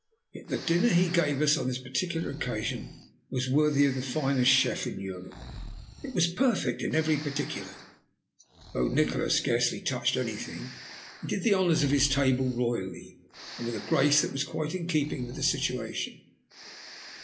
Yet the dinner he gave us on this particular occasion was worthy of the finest chef in Europe. It was perfect in every particular. Though Nikola scarcely touched anything, he did the honours of his table royally, and with a grace that was quite in keeping with the situation.